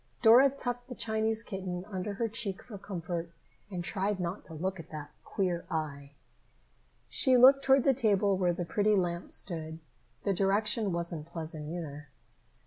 Dora tucked the Chinese kitten under her cheek for comfort and tried not to look at the queer eye. She looked toward the table where the pretty lamp stood. That direction wasn't pleasant either.